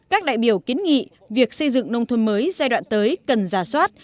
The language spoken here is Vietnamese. các đại biểu kiến nghị việc xây dựng nông thôn mới giai đoạn tới cần giả soát